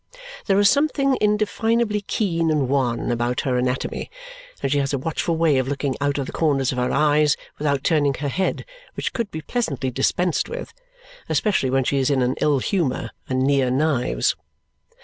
There is something indefinably keen and wan about her anatomy, and she has a watchful way of looking out of the corners of her eyes without turning her head which could be pleasantly dispensed with, especially when she is in an ill humour and near knives.